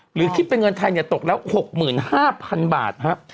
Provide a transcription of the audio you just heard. หรือคิดเป็นเงินไทยตกแล้ว๖๕๐๐๐บาทครับ